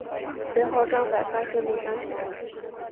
随后张百发顺利当选。